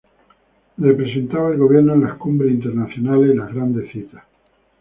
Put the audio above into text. Representaba el gobierno en las cumbres internacionales y las grandes citas.